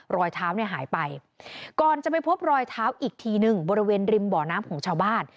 รอยเท้าเนี่ยหายไปก่อนจะไปพบรอยเท้าอีกทีนึงบริเวณริมบ่อน้ำของชาวบ้าน